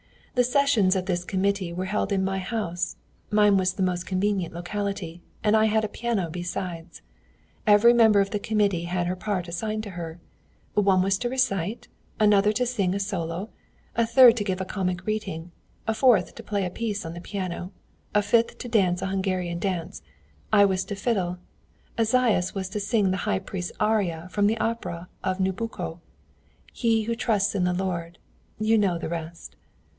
The sessions of this committee were held in my house; mine was the most convenient locality, and I had a piano besides. Each member of the committee had her part assigned to her: one was to recite, another to sing a solo, a third to give a comic reading, a fourth to play a piece on the piano, a fifth to dance a Hungarian dance; I was to fiddle, Esaias was to sing the high priest's aria from the opera of Nabucco: 'He who trusts in the Lord!' You know the rest."